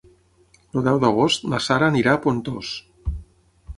El deu d'agost na Sara anirà a Pontós.